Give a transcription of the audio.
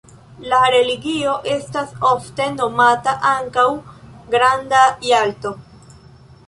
La regiono estas ofte nomata ankaŭ "Granda Jalto".